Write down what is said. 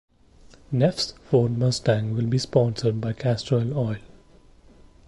Neff's Ford Mustang will be sponsored by Castrol Oil.